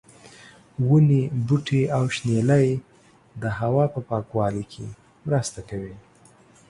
ونې، بوټي او شنېلی د هوا په پاکوالي کې مرسته کوي.